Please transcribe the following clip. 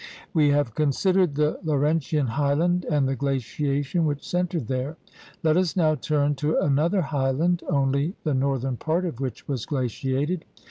We have considered the Laurentian highland and the glaciation which centered there. Let us now turn to another highland only the northernpart of which was glaciated.